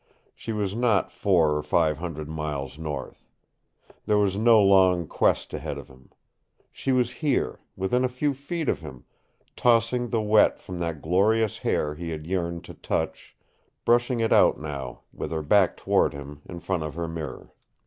She was not four or five hundred miles north. There was no long quest ahead of him. She was here, within a few feet of him, tossing the wet from that glorious hair he had yearned to touch, brushing it out now, with her back toward him, in front of her mirror.